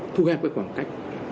thu hẹp cái khoảng cách